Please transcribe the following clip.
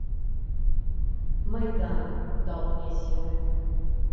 Майдан даў мне сілы.